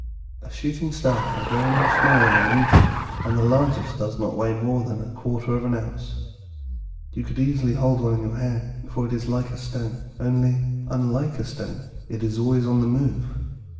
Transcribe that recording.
A shooting star is very much smaller than a meteor, and the largest does not weigh more than a quarter of an ounce. You could easily hold one in your hand, for it is like a small stone, only, unlike a stone, it is always on the move.